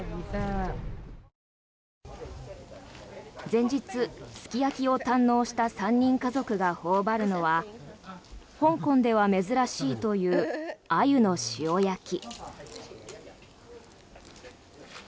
前日、すき焼きを堪能した３人家族が頬張るのは香港では珍しいというアユの塩焼き。